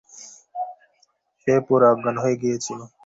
সে পুরো অজ্ঞান হয়ে গিয়েছিল।